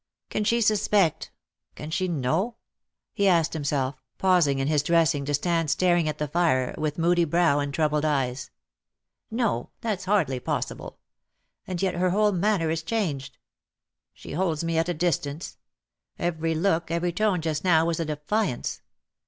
'^ Can she suspect — can she know^^ — he asked him self, pausing in his dressing to stand staring at the fire, with moody brow and troubled eyes. " No, that^s hardly possible. And yet her whole man ner is changed. She holds me at a distance. Every look, every tone just now was a defiance.